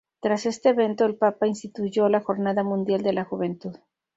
Tras este evento el Papa instituyó la Jornada Mundial de la Juventud.